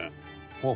あっ！